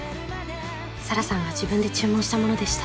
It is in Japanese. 沙良さんが自分で注文したものでした。